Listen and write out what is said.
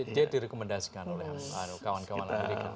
dia direkomendasikan oleh kawan kawan amerika